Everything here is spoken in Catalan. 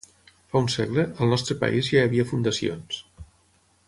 Fa un segle, al nostre país ja hi havia fundacions.